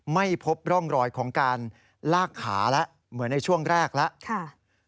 ไม่พบร่องรอยของการลากขาแล้วเหมือนในช่วงแรกแล้ว